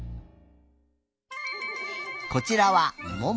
こちらはもも。